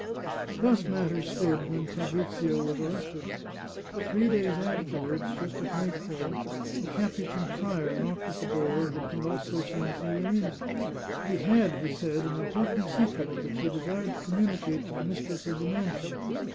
Thus matters stood when Fabrizio was arrested. Three days afterward, just at nightfall, a Capuchin friar knocked at the door of the Palazzo Sanseverina. He had, he said, an important secret, which he desired to communicate to the mistress of the mansion.